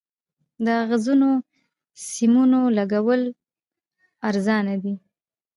د اغزنو سیمونو لګول ارزانه دي؟